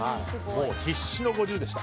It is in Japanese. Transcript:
必死の５０でした。